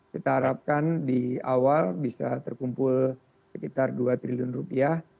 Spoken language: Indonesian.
kita harapkan di awal bisa terkumpul sekitar dua triliun rupiah